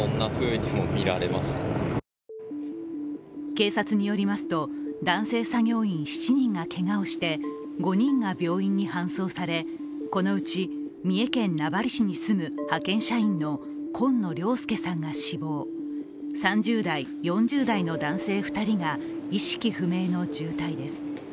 警察によりますと、男性作業員７人がけがをして５人が病院に搬送されこのうち三重県名張市に住む派遣社員の紺野良介さんが死亡、３０代、４０代の男性２人が意識不明の重体です。